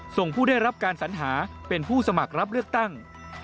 ส่งผู้ได้รับการสัญหาเป็นผู้สมัครรับเลือกตั้ง